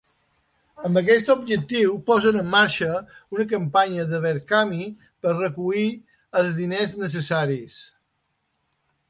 Amb aquest objectiu posen en marxa una campanya de Verkami per recollir els diners necessaris.